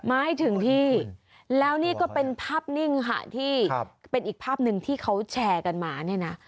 ไม่ถึงที่แล้วนี่ก็เป็นภาพนิ่งค่ะที่เป็นอีกภาพหนึ่งที่เขาแชร์กันมาเนี่ยนะ